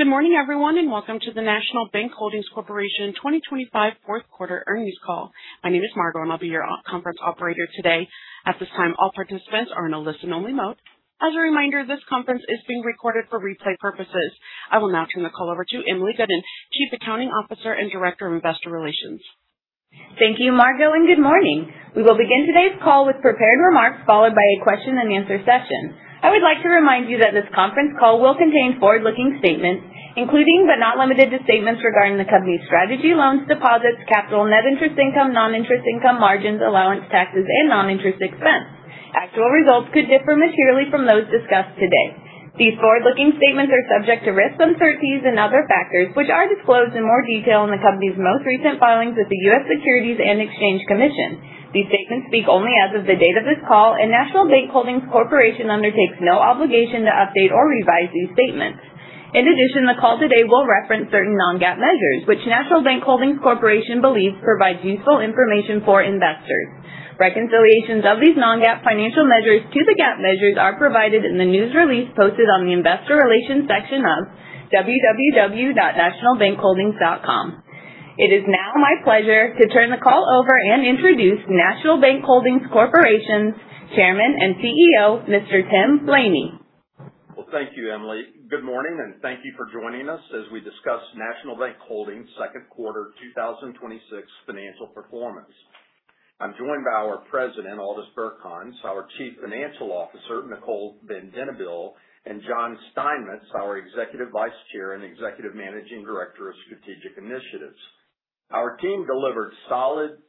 Good morning everyone, and welcome to the National Bank Holdings Corporation 2025 fourth quarter earnings call. My name is Margo, and I'll be your conference operator today. At this time, all participants are in a listen-only mode. As a reminder, this conference is being recorded for replay purposes. I will now turn the call over to Emily Gooden, Chief Accounting Officer and Director of Investor Relations. Thank you, Margo, and good morning. We will begin today's call with prepared remarks, followed by a question and answer session. I would like to remind you that this conference call will contain forward-looking statements, including but not limited to statements regarding the company's strategy, loans, deposits, capital, net interest income, non-interest income margins, allowance, taxes, and non-interest expense. Actual results could differ materially from those discussed today. These forward-looking statements are subject to risks, uncertainties, and other factors which are disclosed in more detail in the company's most recent filings with the U.S. Securities and Exchange Commission. These statements speak only as of the date of this call, and National Bank Holdings Corporation undertakes no obligation to update or revise these statements. In addition, the call today will reference certain non-GAAP measures, which National Bank Holdings Corporation believes provide useful information for investors. Reconciliations of these non-GAAP financial measures to the GAAP measures are provided in the news release posted on the investor relations section of www.nationalbankholdings.com. It is now my pleasure to turn the call over and introduce National Bank Holdings Corporation's Chairman and CEO, Mr. Tim Laney. Well, thank you, Emily. Good morning and thank you for joining us as we discuss National Bank Holdings' second quarter 2026 financial performance. I'm joined by our President, Aldis Birkans, our Chief Financial Officer, Nicole Van Denabeele, and John Steinmetz, our Executive Vice Chair and Executive Managing Director of Strategic Initiatives. Our team delivered solid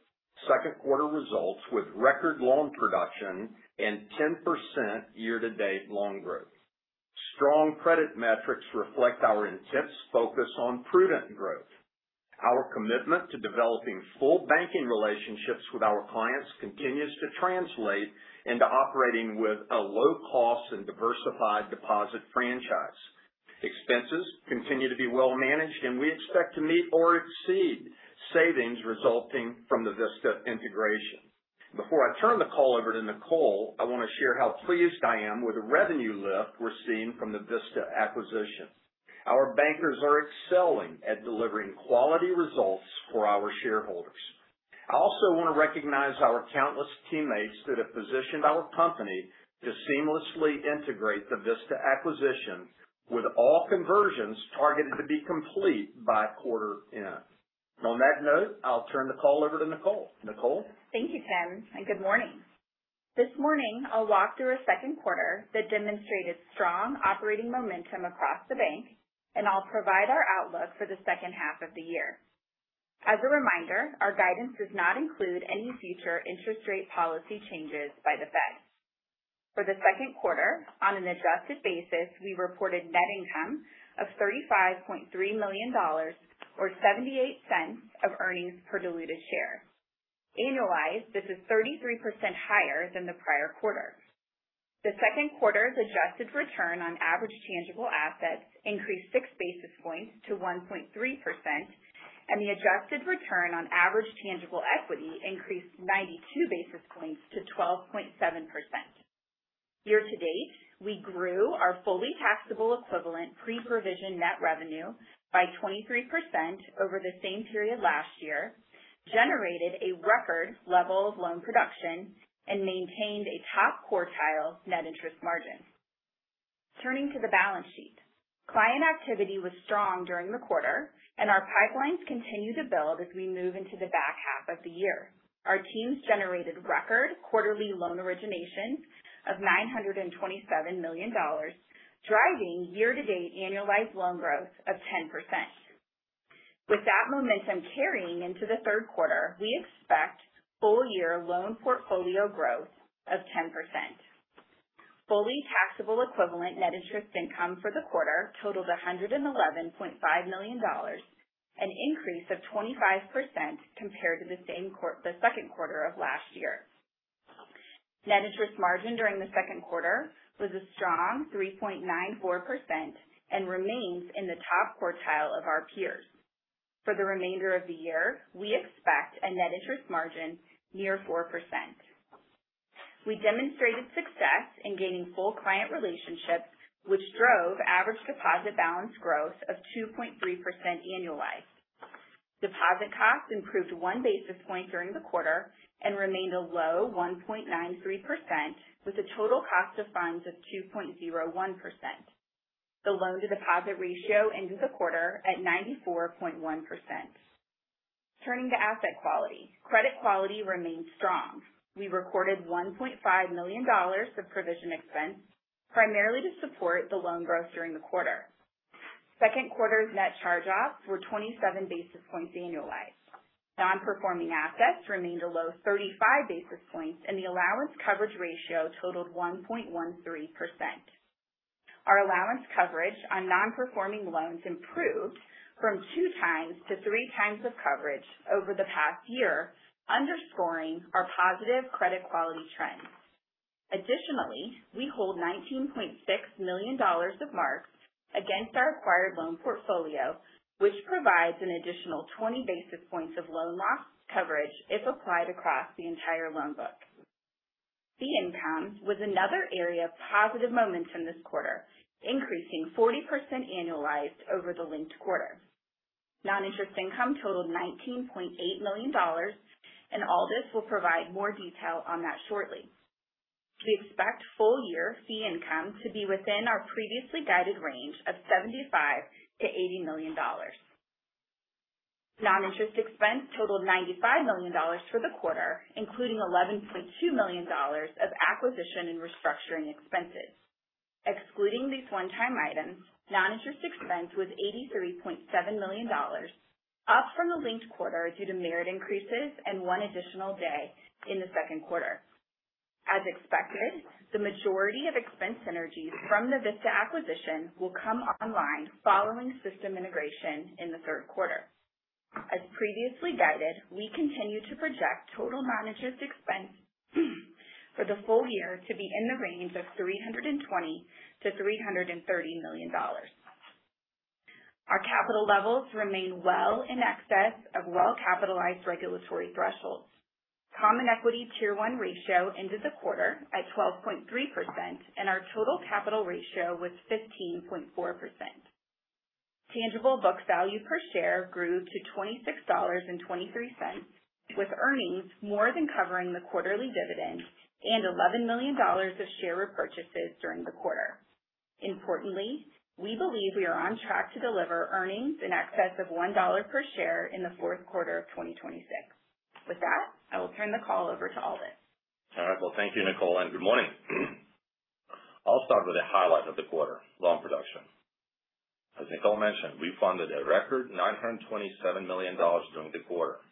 second quarter results with record loan production and 10% year-to-date loan growth. Strong credit metrics reflect our intense focus on prudent growth. Our commitment to developing full banking relationships with our clients continues to translate into operating with a low-cost and diversified deposit franchise. Expenses continue to be well managed, and we expect to meet or exceed savings resulting from the Vista integration. Before I turn the call over to Nicole, I want to share how pleased I am with the revenue lift we're seeing from the Vista acquisition. Our bankers are excelling at delivering quality results for our shareholders. I also want to recognize our countless teammates that have positioned our company to seamlessly integrate the Vista acquisition, with all conversions targeted to be complete by quarter end. On that note, I'll turn the call over to Nicole. Nicole? Thank you, Tim, and good morning. This morning, I'll walk through a second quarter that demonstrated strong operating momentum across the bank, and I'll provide our outlook for the second half of the year. As a reminder, our guidance does not include any future interest rate policy changes by the Fed. For the second quarter, on an adjusted basis, we reported net income of $35.3 million or $0.78 of earnings per diluted share. Annualized, this is 33% higher than the prior quarter. The second quarter's adjusted return on average tangible assets increased 6 basis points to 1.3%, and the adjusted return on average tangible equity increased 92 basis points to 12.7%. Year to date, we grew our fully taxable equivalent pre-provision net revenue by 23% over the same period last year, generated a record level of loan production, and maintained a top quartile net interest margin. Turning to the balance sheet. Client activity was strong during the quarter, our pipelines continue to build as we move into the back half of the year. Our teams generated record quarterly loan originations of $927 million, driving year-to-date annualized loan growth of 10%. With that momentum carrying into the third quarter, we expect full year loan portfolio growth of 10%. Fully taxable equivalent net interest income for the quarter totaled $111.5 million, an increase of 25% compared to the second quarter of last year. Net interest margin during the second quarter was a strong 3.94% and remains in the top quartile of our peers. For the remainder of the year, we expect a net interest margin near 4%. We demonstrated success in gaining full client relationships, which drove average deposit balance growth of 2.3% annualized. Deposit costs improved 1 basis point during the quarter and remained a low 1.93%, with a total cost of funds of 2.01%. The loan-to-deposit ratio ended the quarter at 94.1%. Turning to asset quality. Credit quality remains strong. We recorded $1.5 million of provision expense primarily to support the loan growth during the quarter. Second quarter's net charge-offs were 27 basis points annualized. Non-performing assets remained a low 35 basis points, and the allowance coverage ratio totaled 1.13%. Our allowance coverage on non-performing loans improved from two times to three times of coverage over the past year, underscoring our positive credit quality trends. Additionally, we hold $19.6 million of marks against our acquired loan portfolio, which provides an additional 20 basis points of loan loss coverage if applied across the entire loan book. Fee income was another area of positive momentum this quarter, increasing 40% annualized over the linked quarter. Non-interest income totaled $19.8 million. Aldis will provide more detail on that shortly. We expect full year fee income to be within our previously guided range of $75 million-$80 million. Non-interest expense totaled $95 million for the quarter, including $11.2 million of acquisition and restructuring expenses. Excluding these one-time items, non-interest expense was $83.7 million, up from the linked quarter due to merit increases and one additional day in the second quarter. As expected, the majority of expense synergies from the Vista acquisition will come online following system integration in the third quarter. As previously guided, we continue to project total non-interest expense for the full year to be in the range of $320 million-$330 million. Our capital levels remain well in excess of well-capitalized regulatory thresholds. Common Equity Tier 1 ratio ended the quarter at 12.3%. Our total capital ratio was 15.4%. Tangible book value per share grew to $26.23, with earnings more than covering the quarterly dividend and $11 million of share repurchases during the quarter. Importantly, we believe we are on track to deliver earnings in excess of $1 per share in the fourth quarter of 2026. With that, I will turn the call over to Aldis. All right. Well, thank you, Nicole. Good morning. I'll start with the highlight of the quarter, loan production. As Nicole mentioned, we funded a record $927 million during the quarter.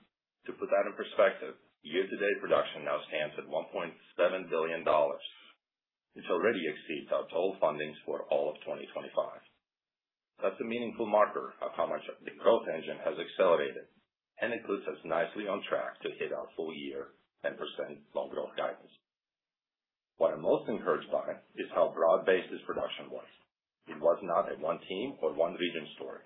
To put that in perspective, year-to-date production now stands at $1.7 billion, which already exceeds our total fundings for all of 2025. That's a meaningful marker of how much the growth engine has accelerated, and it puts us nicely on track to hit our full year 10% loan growth guidance. What I'm most encouraged by is how broad-based this production was. It was not a one team or one region story.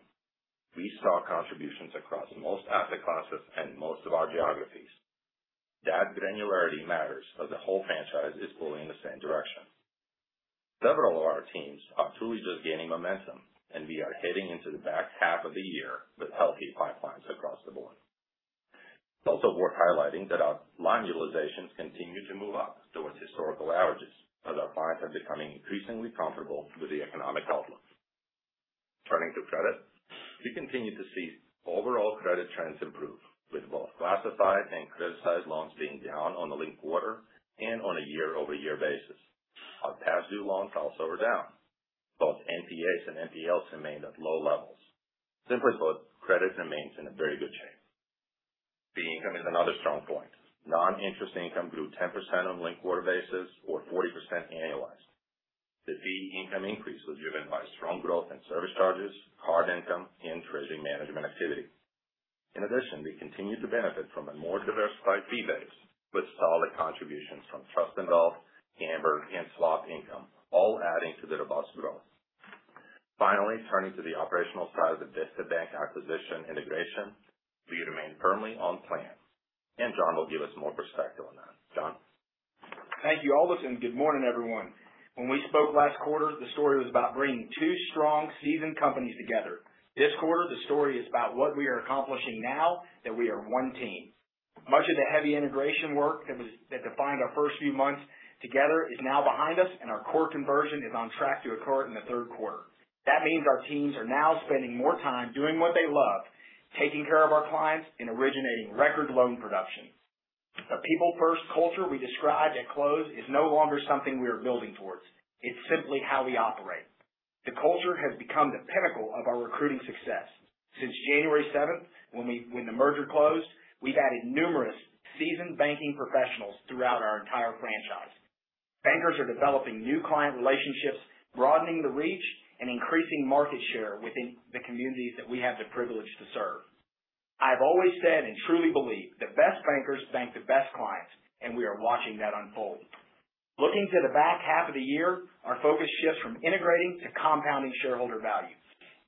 We saw contributions across most asset classes and most of our geographies. That granularity matters as the whole franchise is pulling in the same direction. Several of our teams are truly just gaining momentum. We are heading into the back half of the year with healthy pipelines across the board. It's also worth highlighting that our line utilizations continue to move up towards historical averages as our clients are becoming increasingly comfortable with the economic outlook. Turning to credit, we continue to see overall credit trends improve, with both classified and criticized loans being down on the linked quarter and on a year-over-year basis. Our past due loans also were down. Both NPAs and NPLs remained at low levels. Simply put, credit remains in a very good shape. Fee income is another strong point. Non-interest income grew 10% on linked quarter basis or 40% annualized. The fee income increase was driven by strong growth in service charges, card income, and treasury management activity. In addition, we continue to benefit from a more diversified fee base with solid contributions from trust and wealth, Cambr, and SBIC income, all adding to the robust growth. Finally, turning to the operational side of the Vista Bank acquisition integration, we remain firmly on plan, and John will give us more perspective on that. John? Thank you, Aldis, and good morning, everyone. When we spoke last quarter, the story was about bringing two strong seasoned companies together. This quarter, the story is about what we are accomplishing now that we are one team. Much of the heavy integration work that defined our first few months together is now behind us, and our core conversion is on track to occur in the third quarter. That means our teams are now spending more time doing what they love, taking care of our clients, and originating record loan production. The people-first culture we described at close is no longer something we are building towards. It's simply how we operate. The culture has become the pinnacle of our recruiting success. Since January 7th, when the merger closed, we've added numerous seasoned banking professionals throughout our entire franchise. Bankers are developing new client relationships, broadening the reach, and increasing market share within the communities that we have the privilege to serve. I've always said and truly believe the best bankers bank the best clients, and we are watching that unfold. Looking to the back half of the year, our focus shifts from integrating to compounding shareholder value.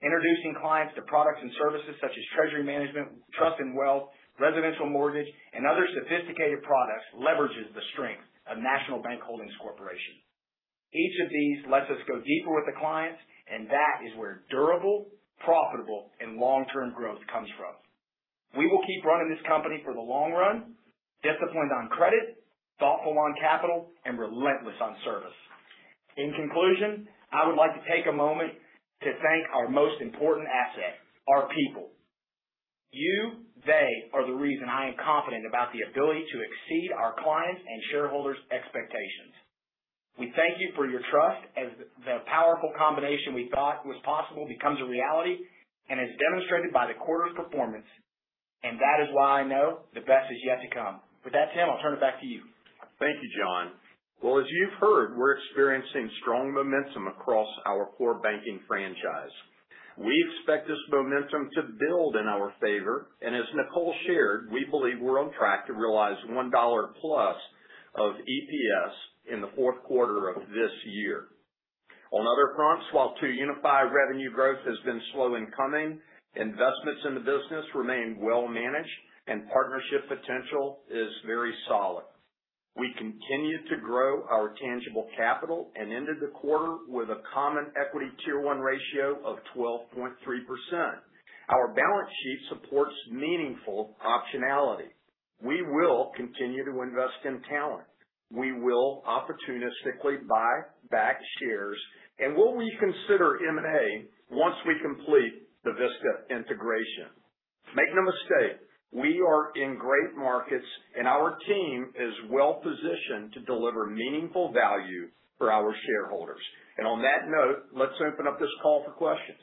Introducing clients to products and services such as treasury management, trust and wealth, residential mortgage, and other sophisticated products leverages the strength of National Bank Holdings Corporation. Each of these lets us go deeper with the clients, and that is where durable, profitable, and long-term growth comes from. We will keep running this company for the long run, disciplined on credit, thoughtful on capital, and relentless on service. In conclusion, I would like to take a moment to thank our most important asset, our people. You, they, are the reason I am confident about the ability to exceed our clients' and shareholders' expectations. We thank you for your trust as the powerful combination we thought was possible becomes a reality and as demonstrated by the quarter's performance. That is why I know the best is yet to come. With that, Tim, I'll turn it back to you. Thank you, John. Well, as you've heard, we're experiencing strong momentum across our core banking franchise. We expect this momentum to build in our favor. As Nicole shared, we believe we're on track to realize $1+ of EPS in the fourth quarter of this year. On other fronts, while 2UniFi revenue growth has been slow in coming, investments in the business remain well managed and partnership potential is very solid. We continued to grow our tangible capital and ended the quarter with a Common Equity Tier 1 ratio of 12.3%. Our balance sheet supports meaningful optionality. We will continue to invest in talent. We will opportunistically buy back shares and will reconsider M&A once we complete the Vista integration. Make no mistake, we are in great markets, and our team is well-positioned to deliver meaningful value for our shareholders. On that note, let's open up this call for questions.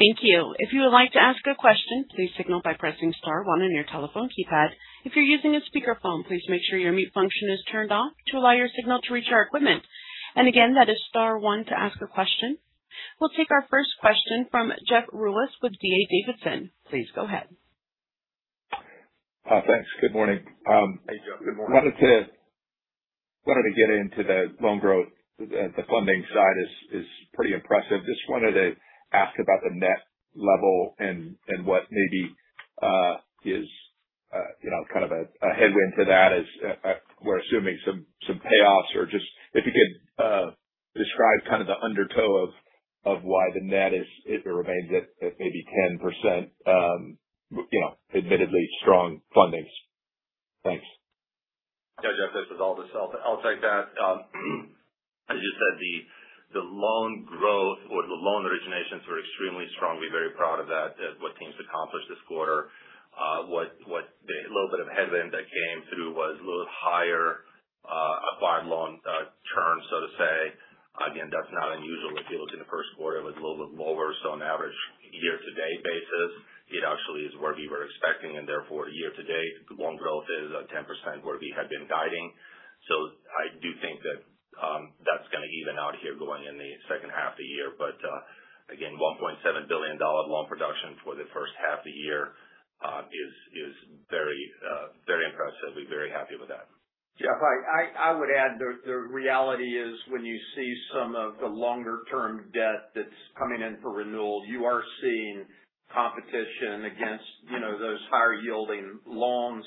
Thank you. If you would like to ask a question, please signal by pressing star one on your telephone keypad. If you're using a speakerphone, please make sure your mute function is turned off to allow your signal to reach our equipment. Again, that is star one to ask a question. We'll take our first question from Jeff Rulis with D.A. Davidson. Please go ahead. Thanks. Good morning. Hey, Jeff. Good morning. Wanted to get into the loan growth. The funding side is pretty impressive. Just wanted to ask about the net level and what maybe is kind of a headwind to that as we're assuming some payoffs. If you could describe kind of the undertow of why the net remains at maybe 10%, admittedly strong fundings. Thanks. Yeah, Jeff, this is Aldis. I'll take that. As you said, the loan growth or the loan originations were extremely strong. We're very proud of that, what teams accomplished this quarter. A little bit of a headwind that came through was a little higher up by loan term, so to say. Again, that's not unusual. If you look in the first quarter, it was a little bit lower. On average year-to-date basis, it actually is where we were expecting and therefore year-to-date, the loan growth is at 10% where we had been guiding. I do think that's going to even out here going in the second half of the year. Again, $1.7 billion loan production for the first half of the year is very impressive. We're very happy with that. Jeff, I would add, the reality is when you see some of the longer term debt that's coming in for renewal, you are seeing competition against those higher yielding loans.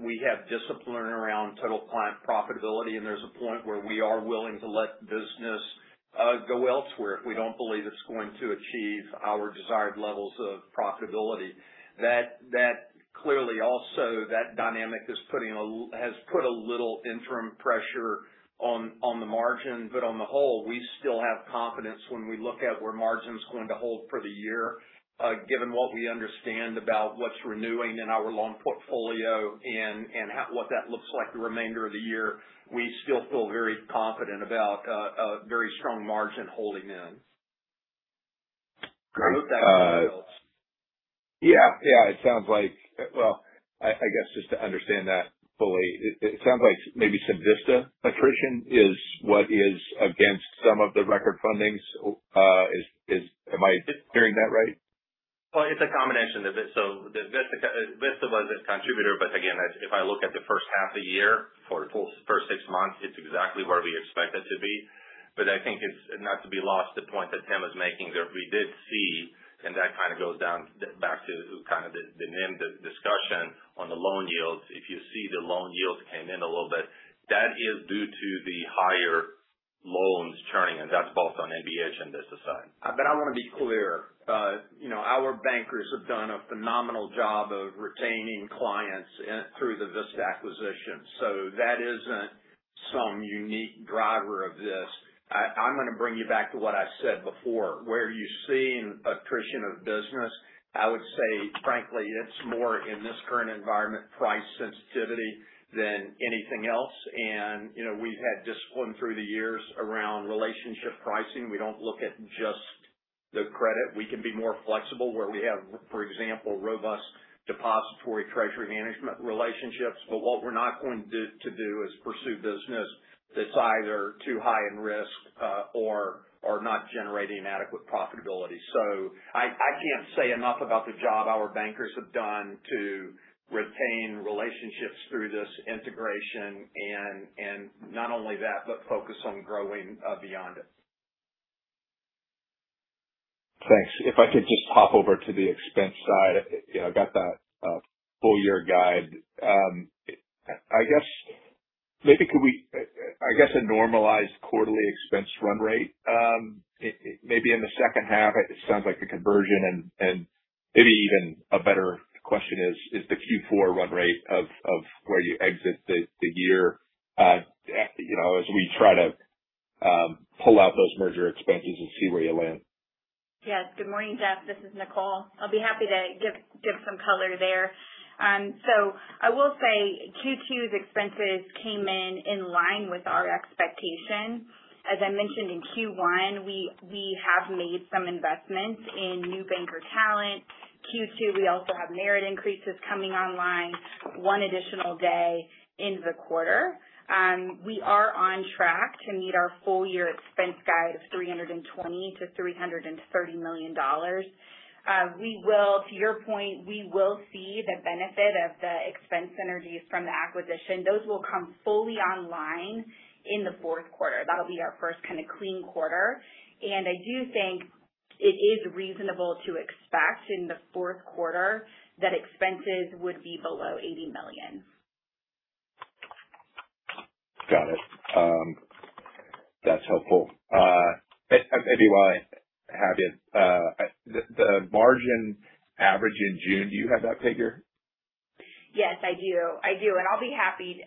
We have discipline around total client profitability, and there's a point where we are willing to let business go elsewhere if we don't believe it's going to achieve our desired levels of profitability. Clearly also, that dynamic has put a little interim pressure on the margin, but on the whole, we still have confidence when we look at where margin's going to hold for the year. Given what we understand about what's renewing in our loan portfolio and what that looks like the remainder of the year, we still feel very confident about a very strong margin holding in. Great. Hope that helps. Yeah. I guess just to understand that fully, it sounds like maybe some Vista attrition is what is against some of the record fundings. Am I hearing that right? It's a combination. Vista was a contributor, but again, if I look at the first half of the year for the full first six months, it's exactly where we expect it to be. I think it's not to be lost the point that Tim is making, that we did see, and that kind of goes down back to kind of the NIM discussion on the loan yields. If you see the loan yields came in a little bit, that is due to the higher loans churning, and that's both on NBH and Vista side. I want to be clear. Our bankers have done a phenomenal job of retaining clients through the Vista acquisition. That isn't some unique driver of this. I'm going to bring you back to what I said before, where you're seeing attrition of business, I would say, frankly, it's more in this current environment, price sensitivity than anything else. We've had discipline through the years around relationship pricing. We don't look at just the credit. We can be more flexible where we have, for example, robust depository treasury management relationships. What we're not going to do is pursue business that's either too high in risk or not generating adequate profitability. I can't say enough about the job our bankers have done to retain relationships through this integration, and not only that, but focus on growing beyond it. Thanks. If I could just hop over to the expense side. I got that full year guide. I guess a normalized quarterly expense run rate maybe in the second half, it sounds like the conversion and maybe even a better question is the Q4 run rate of where you exit the year as we try to pull out those merger expenses and see where you land. Yes. Good morning, Jeff. This is Nicole. I'll be happy to give some color there. I will say Q2's expenses came in in line with our expectation. As I mentioned in Q1, we have made some investments in new banker talent. Q2, we also have merit increases coming online one additional day into the quarter. We are on track to meet our full year expense guide of $320 million-$330 million. To your point, we will see the benefit of the expense synergies from the acquisition. Those will come fully online in the fourth quarter. That'll be our first kind of clean quarter. It is reasonable to expect in the fourth quarter that expenses would be below $80 million. Got it. That's helpful. Maybe while I have you, the margin average in June, do you have that figure? Yes, I do. I'll be happy,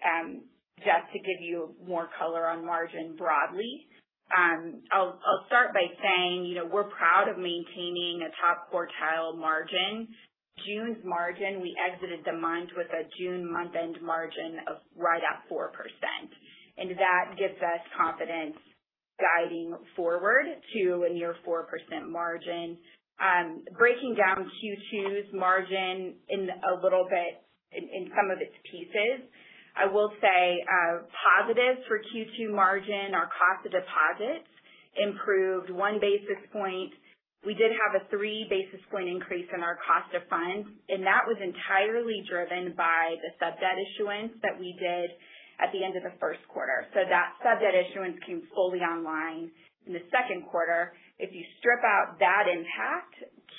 Jeff, to give you more color on margin broadly. I'll start by saying we're proud of maintaining a top quartile margin. June's margin, we exited the month with a June month-end margin of right at 4%, and that gives us confidence guiding forward to a near 4% margin. Breaking down Q2's margin in some of its pieces, I will say positive for Q2 margin, our cost of deposits improved 1 basis point. We did have a 3 basis point increase in our cost of funds, and that was entirely driven by the sub-debt issuance that we did at the end of the first quarter. That sub-debt issuance came fully online in the second quarter. If you strip out that impact,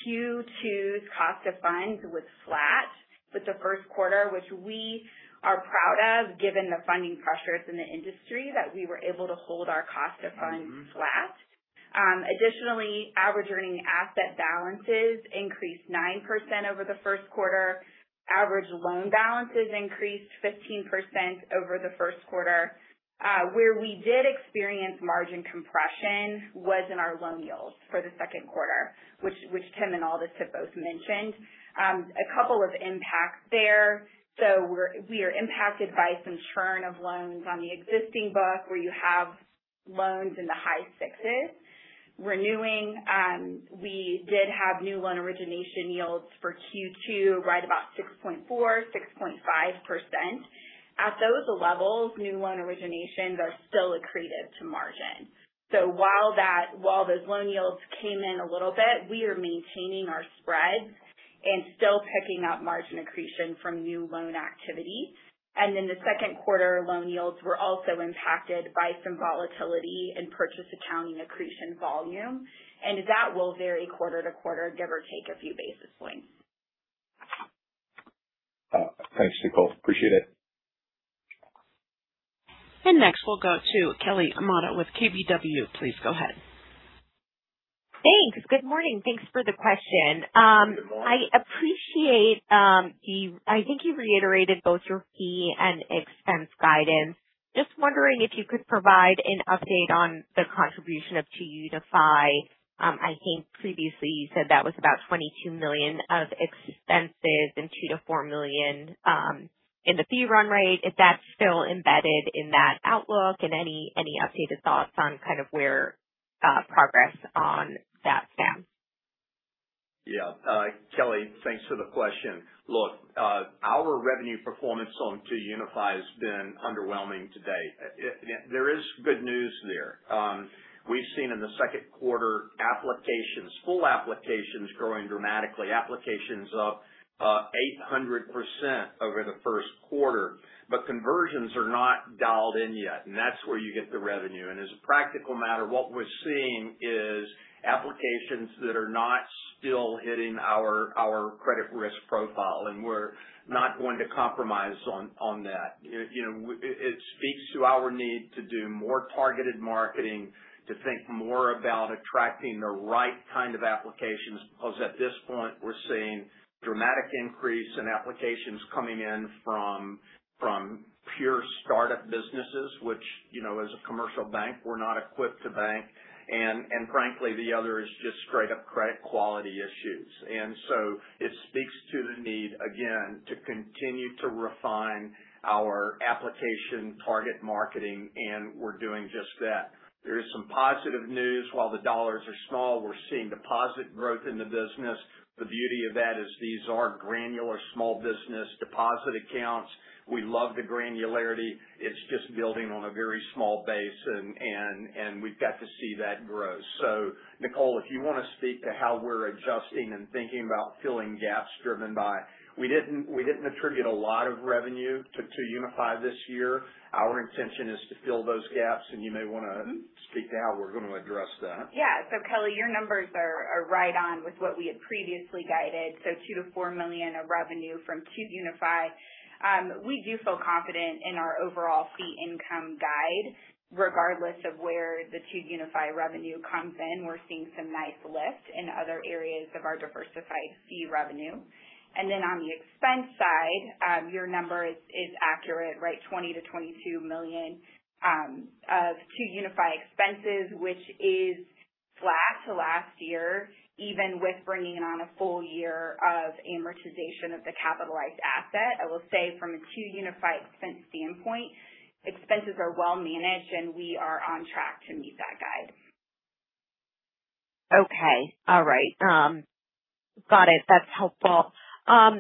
Q2's cost of funds was flat with the first quarter, which we are proud of given the funding pressures in the industry that we were able to hold our cost of funds flat. Additionally, average earning asset balances increased 9% over the first quarter. Average loan balances increased 15% over the first quarter. Where we did experience margin compression was in our loan yields for the second quarter, which Tim and Aldis have both mentioned. A couple of impacts there. We are impacted by some churn of loans on the existing book where you have loans in the high sixes renewing. We did have new loan origination yields for Q2 right about 6.4%, 6.5%. At those levels, new loan originations are still accretive to margin. While those loan yields came in a little bit, we are maintaining our spreads and still picking up margin accretion from new loan activity. The second quarter loan yields were also impacted by some volatility in purchase accounting accretion volume, and that will vary quarter to quarter, give or take a few basis points. Thanks, Nicole. Appreciate it. Next we'll go to Kelly Motta with KBW. Please go ahead. Thanks. Good morning. Thanks for the question. Good morning. I think you reiterated both your fee and expense guidance. Just wondering if you could provide an update on the contribution of 2UniFi. I think previously you said that was about $22 million of expenses and $2 million-$4 million in the fee run rate. If that's still embedded in that outlook and any updated thoughts on kind of where progress on that stands. Yeah. Kelly, thanks for the question. Look, our revenue performance on 2UniFi has been underwhelming to date. There is good news there. We've seen in the second quarter applications, full applications growing dramatically. Applications up 800% over the first quarter. Conversions are not dialed in yet, and that's where you get the revenue. As a practical matter, what we're seeing is applications that are not still hitting our credit risk profile, and we're not going to compromise on that. It speaks to our need to do more targeted marketing, to think more about attracting the right kind of applications, because at this point, we're seeing dramatic increase in applications coming in from pure startup businesses, which as a commercial bank, we're not equipped to bank. Frankly, the other is just straight up credit quality issues. It speaks to the need, again, to continue to refine our application target marketing, and we are doing just that. There is some positive news. While the dollars are small, we are seeing deposit growth in the business. The beauty of that is these are granular small business deposit accounts. We love the granularity. It is just building on a very small base, and we have got to see that grow. Nicole, if you want to speak to how we are adjusting and thinking about filling gaps driven by. We did not attribute a lot of revenue to 2UniFi this year. Our intention is to fill those gaps, and you may want to speak to how we are going to address that. Yeah. Kelly, your numbers are right on with what we had previously guided, $2 million-$4 million of revenue from 2UniFi. We do feel confident in our overall fee income guide regardless of where the 2UniFi revenue comes in. We are seeing some nice lift in other areas of our diversified fee revenue. On the expense side, your number is accurate, right? $20 million-$22 million of 2UniFi expenses, which is flat to last year, even with bringing on a full year of amortization of the capitalized asset. I will say from a 2UniFi expense standpoint, expenses are well managed and we are on track to meet that guide. Okay. All right. Got it. That is helpful. I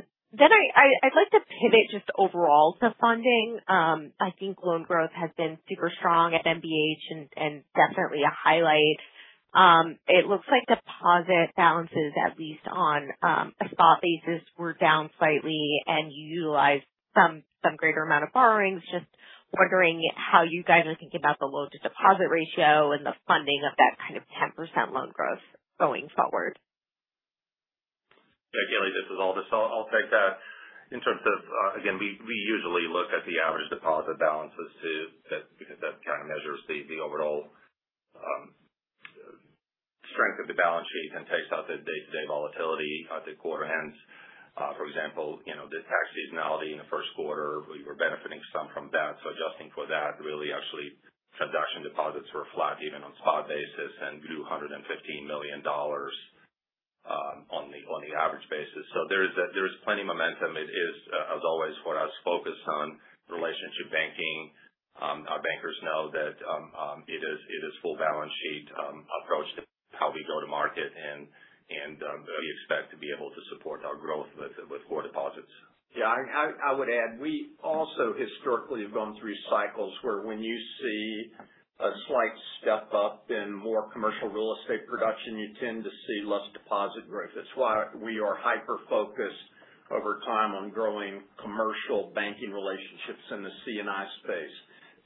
would like to pivot just overall to funding. I think loan growth has been super strong at NBH and definitely a highlight. It looks like deposit balances, at least on a spot basis, were down slightly and you utilized some greater amount of borrowings. Just wondering how you guys are thinking about the loan to deposit ratio and the funding of that kind of 10% loan growth going forward. Yeah, Kelly, this is Aldis. I will take that. Again, we usually look at the average deposit balances because that kind of measures the overall strength of the balance sheet and takes out the day-to-day volatility at the quarter ends. For example, the tax seasonality in the first quarter, we were benefiting some from that. Adjusting for that, really actually transaction deposits were flat even on spot basis and grew $115 million on the average basis. There is plenty of momentum. It is, as always, for us, focused on relationship banking. Our bankers know that it is full balance sheet approach to how we go to market, and we expect to be able to support our growth with core deposits. Yeah. I would add, we also historically have gone through cycles where when you see a slight step up in more commercial real estate production, you tend to see less deposit growth. That's why we are hyper-focused over time on growing commercial banking relationships in the C&I space.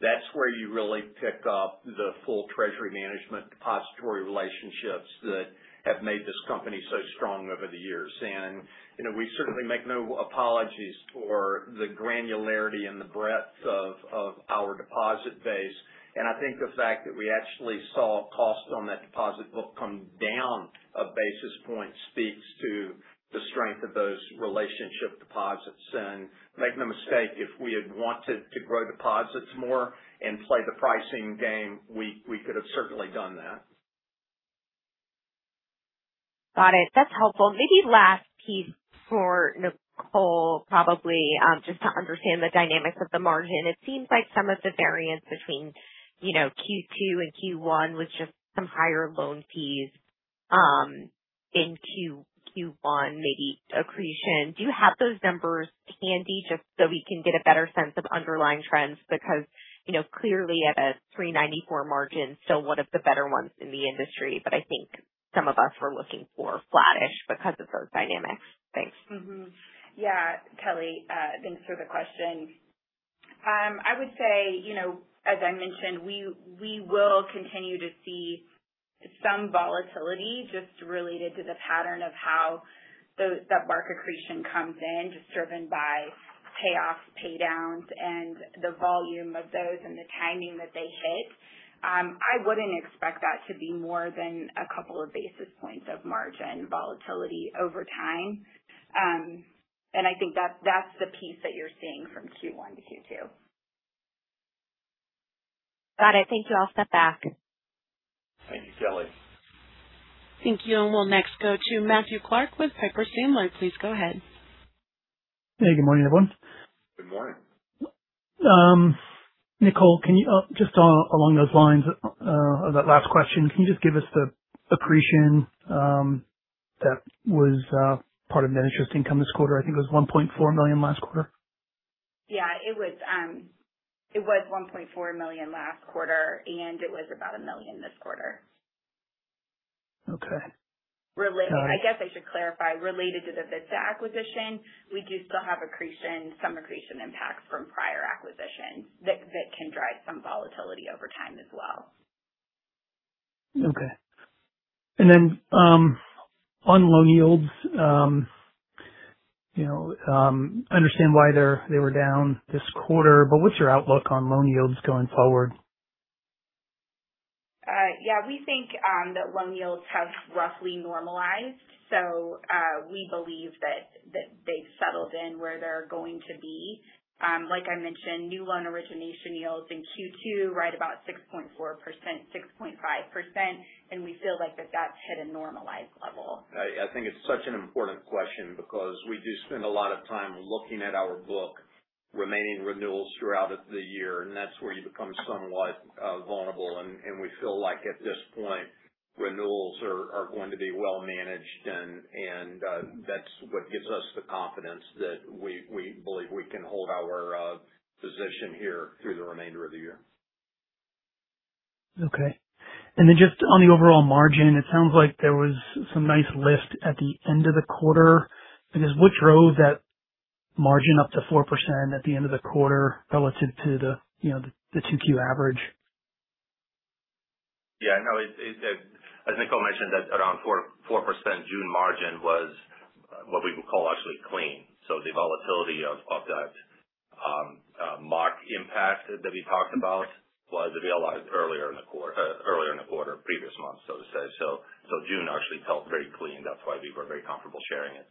That's where you really pick up the full treasury management depository relationships that have made this company so strong over the years. We certainly make no apologies for the granularity and the breadth of our deposit base. I think the fact that we actually saw cost on that deposit book come down a basis point speaks to the strength of those relationship deposits. Make no mistake, if we had wanted to grow deposits more and play the pricing game, we could have certainly done that. Got it. That's helpful. Maybe last piece for Nicole, probably, just to understand the dynamics of the margin. It seems like some of the variance between Q2 and Q1 was just some higher loan fees in Q1, maybe accretion. Do you have those numbers handy just so we can get a better sense of underlying trends? Clearly at a 394 margin, still one of the better ones in the industry, but I think some of us were looking for flattish because of those dynamics. Thanks. Mm-hmm. Yeah, Kelly. Thanks for the question. I would say, as I mentioned, we will continue to see some volatility just related to the pattern of how that mark accretion comes in, just driven by payoffs, pay downs, and the volume of those and the timing that they hit. I wouldn't expect that to be more than a couple of basis points of margin volatility over time. I think that's the piece that you're seeing from Q1 to Q2. Got it. Thank you. I'll step back. Thank you, Kelly. Thank you. We'll next go to Matthew Clark with Piper Sandler. Please go ahead. Hey, good morning, everyone. Good morning. Nicole, just along those lines of that last question, can you just give us the accretion that was part of net interest income this quarter? I think it was $1.4 million last quarter. Yeah. It was $1.4 million last quarter, and it was about $1 million this quarter. Okay. Got it. I guess I should clarify, related to the Vista acquisition, we do still have some accretion impact from prior acquisitions that can drive some volatility over time as well. Okay. On loan yields, I understand why they were down this quarter, but what's your outlook on loan yields going forward? Yeah. We think that loan yields have roughly normalized. We believe that they've settled in where they're going to be. Like I mentioned, new loan origination yields in Q2, right about 6.4%, 6.5%, and we feel like that's hit a normalized level. I think it's such an important question because we do spend a lot of time looking at our book remaining renewals throughout the year, and that's where you become somewhat vulnerable. We feel like at this point, renewals are going to be well managed, and that's what gives us the confidence that we believe we can hold our position here through the remainder of the year. Okay. Just on the overall margin, it sounds like there was some nice lift at the end of the quarter. I guess, what drove that margin up to 4% at the end of the quarter relative to the 2Q average? As Nicole mentioned, that around 4% June margin was what we would call actually clean. The volatility of that mark impact that we talked about was realized earlier in the quarter, previous month, so to say. June actually felt very clean. That's why we were very comfortable sharing it.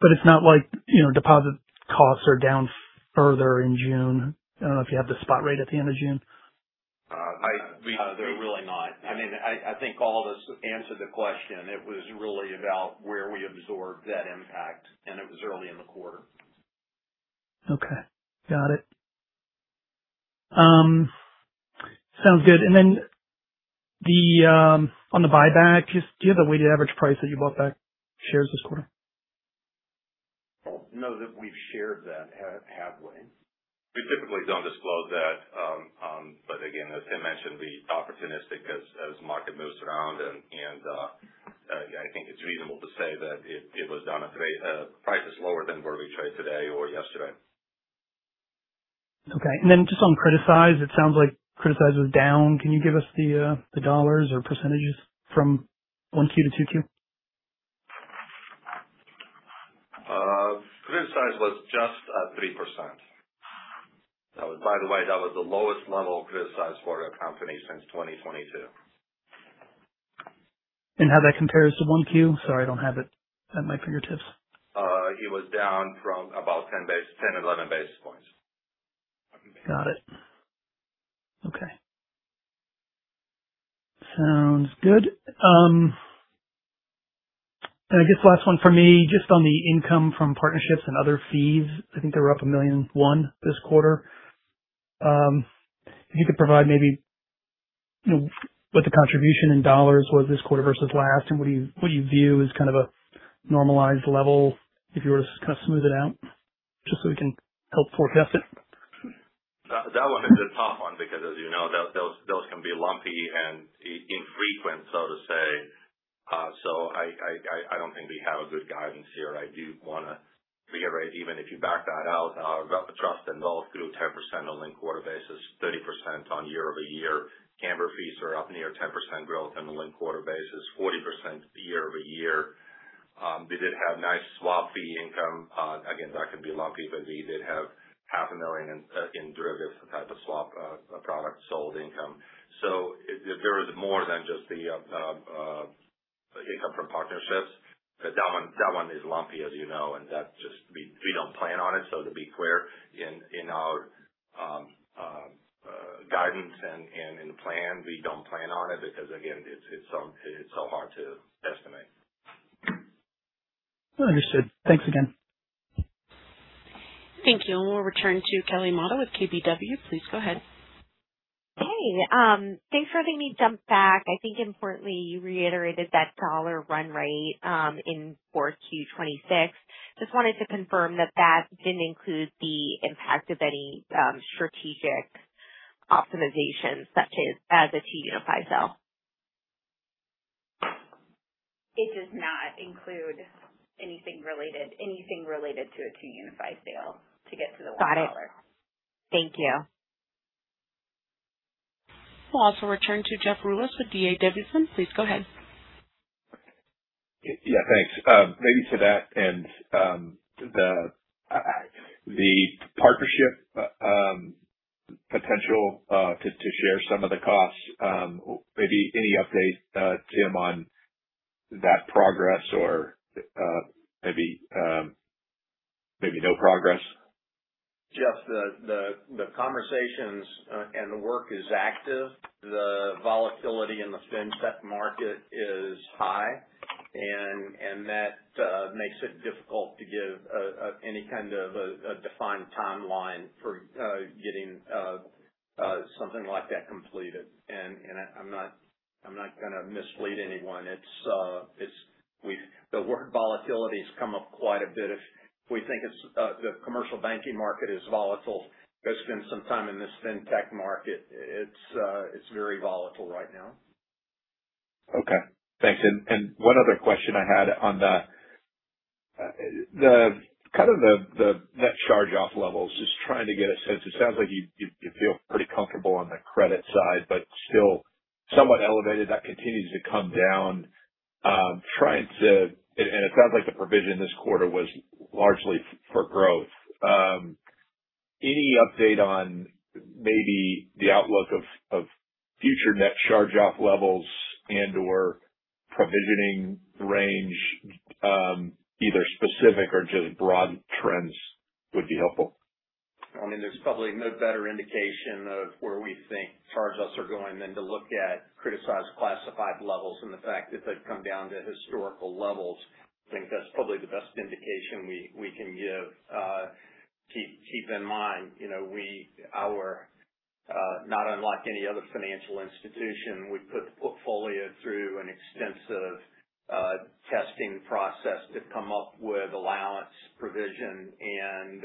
It's not like deposit costs are down further in June. I don't know if you have the spot rate at the end of June. They're really not. I think Aldis answered the question. It was really about where we absorbed that impact, and it was early in the quarter. Got it. Sounds good. Then on the buyback, do you have the weighted average price that you bought back shares this quarter? I don't know that we've shared that halfway. We typically don't disclose that. Again, as Tim mentioned, we opportunistic as market moves around and I think it's reasonable to say that it was done at prices lower than where we trade today or yesterday. Okay. Just on criticized, it sounds like criticized was down. Can you give us the dollars or percentages from 1Q to 2Q? Criticized was just at 3%. By the way, that was the lowest level of criticized for our company since 2022. How that compares to 1Q? Sorry, I don't have it at my fingertips. It was down from about 10, 11 basis points. Got it. Okay. Sounds good. I guess last one from me, just on the income from partnerships and other fees. I think they were up $1.1 million this quarter. If you could provide maybe what the contribution in dollars was this quarter versus last, and what do you view as a normalized level if you were to smooth it out, just so we can help forecast it. That one is a tough one because as you know, those can be lumpy and infrequent, so to say. I don't think we have a good guidance here. I do want to reiterate, even if you back that out, our wealth trust and those grew 10% on linked quarter basis, 30% on year-over-year. Cambr fees are up near 10% growth on a linked quarter basis, 40% year-over-year. We did have nice swap fee income. Again, that can be lumpy, but we did have $500,000 in derivative type of swap product sold income. There is more than just the income from partnerships. That one is lumpy as you know, and we don't plan on it. To be clear, in our guidance and in plan, we don't plan on it because, again, it's so hard to estimate. Understood. Thanks again. Thank you. We'll return to Kelly Motta with KBW. Please go ahead. Hey, thanks for having me jump back. I think importantly, you reiterated that dollar run rate, in 4Q 2026. Just wanted to confirm that didn't include the impact of any strategic optimizations such as a 2UniFi sale. It does not include anything related to a 2UniFi sale to get to the $1. Got it. Thank you. We'll also return to Jeff Rulis with D.A. Davidson. Please go ahead. Yeah, thanks. Maybe to that and the partnership potential to share some of the costs. Maybe any update, Tim, on that progress or maybe no progress? Jeff, the conversations and the work is active. The volatility in the fintech market is high, and that makes it difficult to give any kind of a defined timeline for getting something like that completed. I'm not going to mislead anyone. The word volatility's come up quite a bit. If we think the commercial banking market is volatile, go spend some time in this fintech market. It's very volatile right now. Okay, thanks. One other question I had on the net charge-off levels, just trying to get a sense. It sounds like you feel pretty comfortable on the credit side, but still somewhat elevated. That continues to come down. It sounds like the provision this quarter was largely for growth. Any update on maybe the outlook of future net charge-off levels and/or provisioning range? Either specific or just broad trends would be helpful. There's probably no better indication of where we think charge-offs are going than to look at criticized classified levels and the fact that they've come down to historical levels. I think that's probably the best indication we can give. Keep in mind, not unlike any other financial institution, we put the portfolio through an extensive testing process to come up with allowance provision and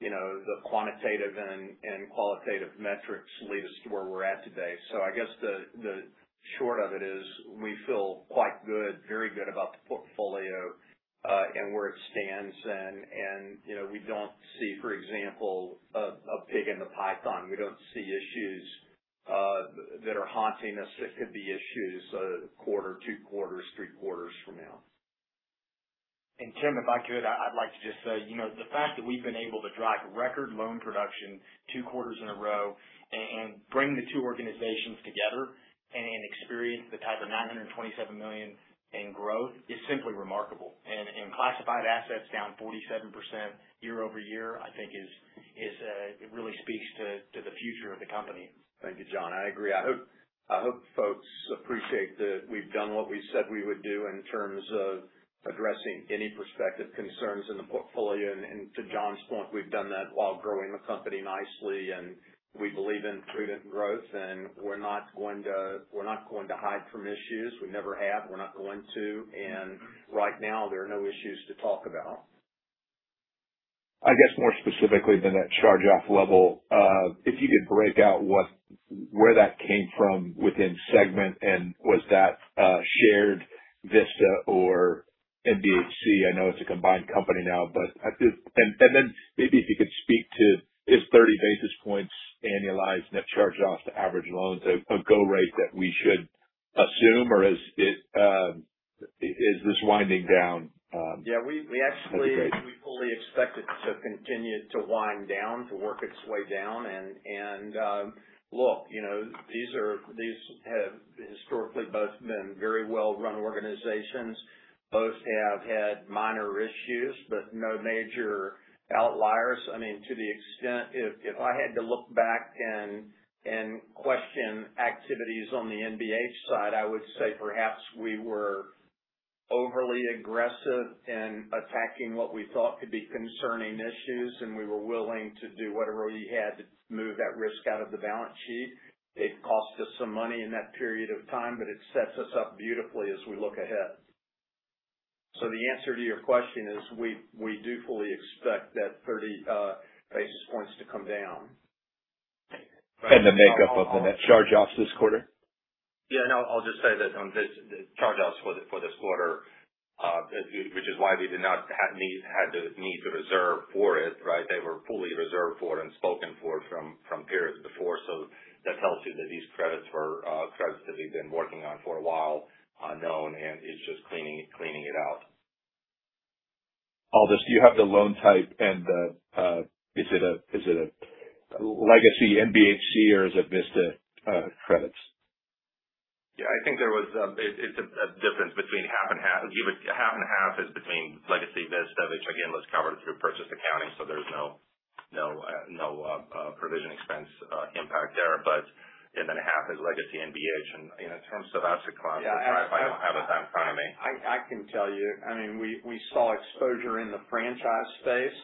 the quantitative and qualitative metrics lead us to where we're at today. I guess the short of it is we feel quite good, very good about the portfolio, and where it stands and we don't see, for example, a pig in the python. We don't see issues that are haunting us that could be issues a quarter, two quarters, three quarters from now. Tim, if I could, I'd like to just say, the fact that we've been able to drive record loan production two quarters in a row and bring the two organizations together and experience the type of $927 million in growth is simply remarkable. Classified assets down 47% year-over-year, I think it really speaks to the future of the company. Thank you, John. I agree. I hope folks appreciate that we've done what we said we would do in terms of addressing any prospective concerns in the portfolio. To John's point, we've done that while growing the company nicely, and we believe in prudent growth, and we're not going to hide from issues. We never have. We're not going to, right now, there are no issues to talk about. I guess more specifically the net charge-off level. If you could break out where that came from within segment and was that shared Vista or NBHC, I know it's a combined company now. Maybe if you could speak to, is 30 basis points annualized net charge-offs to average loans a go rate that we should assume, or is this winding down? Yeah, we actually fully expect it to continue to wind down, to work its way down. Look, these have historically both been very well-run organizations. Both have had minor issues, but no major outliers. If I had to look back and question activities on the NBH side, I would say perhaps we were overly aggressive in attacking what we thought could be concerning issues, and we were willing to do whatever we had to move that risk out of the balance sheet. It cost us some money in that period of time, but it sets us up beautifully as we look ahead. The answer to your question is we do fully expect that 30 basis points to come down. The makeup of the net charge-offs this quarter? Yeah, no, I'll just say that on the charge-offs for this quarter, which is why we did not need to reserve for it. They were fully reserved for and spoken for from periods before. That tells you that these credits were credits that we've been working on for a while, known, and it's just cleaning it out. Aldis, do you have the loan type and is it a legacy NBH or is it Vista credits? Yeah, I think it's a difference between half and half. Half and half is between legacy Vista, which again, was covered through purchase accounting, so there's no provision expense impact there. Then half is legacy NBH. In terms of asset class, I'm sorry if I don't have it in front of me. I can tell you. We saw exposure in the franchise space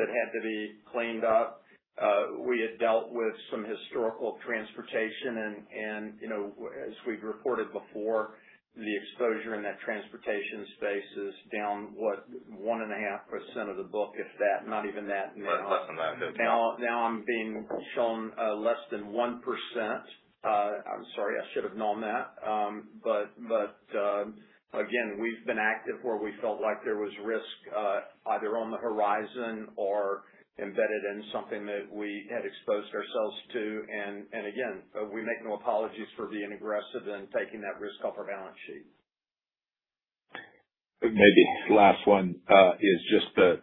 that had to be cleaned up. We had dealt with some historical transportation and as we've reported before, the exposure in that transportation space is down, what, 1.5% of the book, if that, not even that now. Right, less than that. I'm being shown less than 1%. I'm sorry, I should have known that. Again, we've been active where we felt like there was risk either on the horizon or embedded in something that we had exposed ourselves to. Again, we make no apologies for being aggressive and taking that risk off our balance sheet. Maybe last one is just the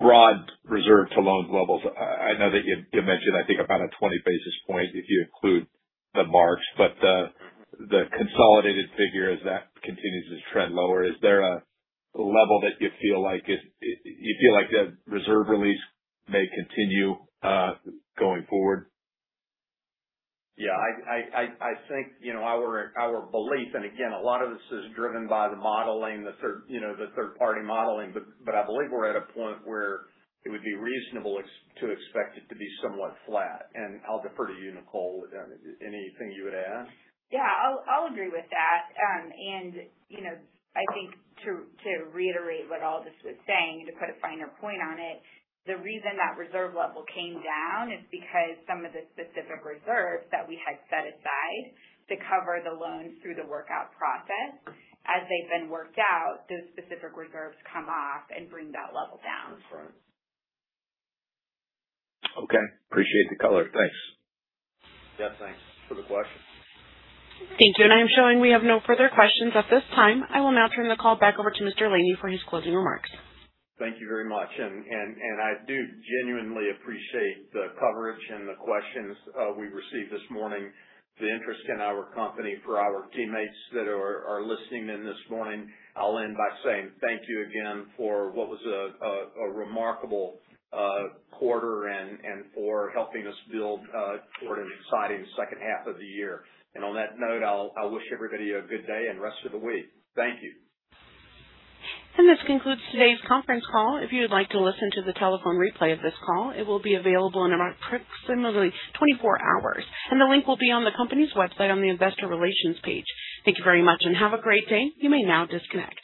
broad reserve to loans levels. I know that you mentioned, I think, about a 20 basis points if you include the marks. The consolidated figure, as that continues to trend lower, is there a level that you feel like the reserve release may continue going forward? Yeah. Our belief, again, a lot of this is driven by the modeling, the third-party modeling. I believe we're at a point where it would be reasonable to expect it to be somewhat flat. I'll defer to you, Nicole. Anything you would add? Yeah. I'll agree with that. I think to reiterate what Aldis was saying, to put a finer point on it, the reason that reserve level came down is because some of the specific reserves that we had set aside to cover the loans through the workout process, as they've been worked out, those specific reserves come off and bring that level down. Okay. Appreciate the color. Thanks. Yeah, thanks for the question. Thank you. I am showing we have no further questions at this time. I will now turn the call back over to Mr. Laney for his closing remarks. Thank you very much. I do genuinely appreciate the coverage and the questions we received this morning, the interest in our company. For our teammates that are listening in this morning, I'll end by saying thank you again for what was a remarkable quarter and for helping us build toward an exciting second half of the year. On that note, I'll wish everybody a good day and rest of the week. Thank you. This concludes today's conference call. If you would like to listen to the telephone replay of this call, it will be available in approximately 24 hours. The link will be on the company's website on the investor relations page. Thank you very much and have a great day. You may now disconnect.